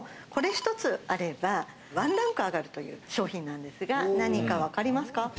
これ一つあればワンランク上がるという商品なんですが、何か分かりますか？